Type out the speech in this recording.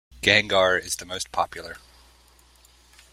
Gangaur is the most popular.